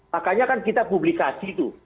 makanya kan kita publikasi tuh